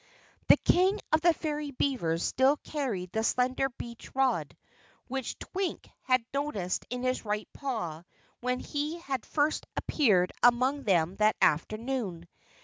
The King of the Fairy Beavers still carried the slender beech rod, which Twink had noticed in his right paw when he had first appeared among them that afternoon.